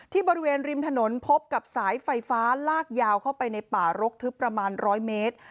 บริเวณริมถนนพบกับสายไฟฟ้าลากยาวเข้าไปในป่ารกทึบประมาณ๑๐๐เมตร